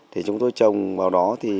thì chúng tôi trồng vào đó thì